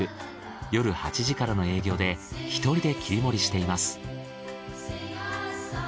夜８時からの営業で１人で切り盛りしています。